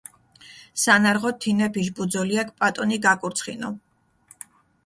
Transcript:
სანარღოთ, თინეფიშ ბუძოლიაქ პატონი გაკურცხინუ.